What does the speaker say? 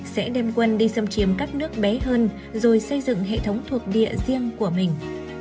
sẽ đem quân đi xâm chiếm các nước bé hơn rồi xây dựng hệ thống thuộc địa riêng của mình